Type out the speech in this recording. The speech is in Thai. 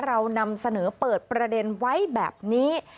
เรานำเสนอเปิดประเด็นไว้แบบนี้